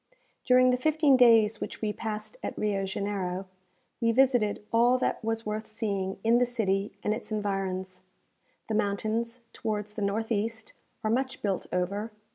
During the fifteen days which we passed at Rio Janeiro, we visited all that was worth seeing in the city and its environs. The mountains, towards the north east, are much built over.